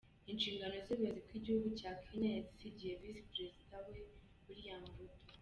Inshingano z’ubuyobozi bw’igihugu cya Kenya yazisigiye Visi Perezida we William Ruto.